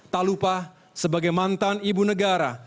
tak lupa sebagai mantan ibu negara